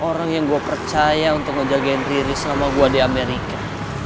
orang yang gue percaya untuk ngejagain riri selama gue di amerika